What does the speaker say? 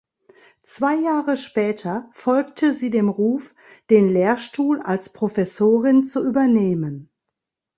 Zwei Jahre später folgte sie dem Ruf, den Lehrstuhl als Professorin zu übernehmen.